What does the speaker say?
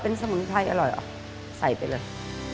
เป็นสมุนไพรอร่อยใส่ไปเลย